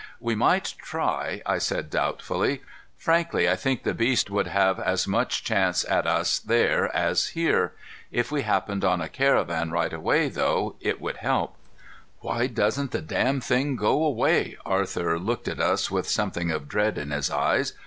"We might try," I said doubtfully. "Frankly, I think the beast would have as much chance at us there as here. If we happened on a caravan right away, though, it would help." "Why doesn't the damned thing go away?" Arthur looked at us with something of dread in his eyes.